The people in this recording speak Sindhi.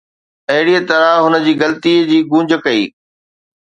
اهڙيء طرح هن جي غلطي جي گونج ڪئي